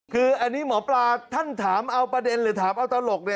คืออันนี้หมอปลาท่านถามเอาประเด็นหรือถามเอาตลก